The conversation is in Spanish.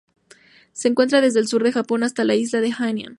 Se encuentra desde el sur del Japón hasta la isla de Hainan.